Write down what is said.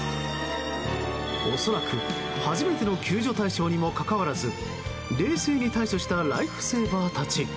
恐らく初めての救助対象にもかかわらず冷静に対処したライフセーバーたち。